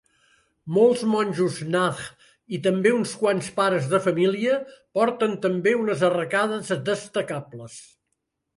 Molts monjos Nath i també uns quants pares de família porten també unes arracades destacables.